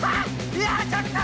いやちょっと。